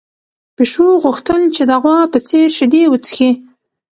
پيشو غوښتل چې د غوا په څېر شیدې وڅښي.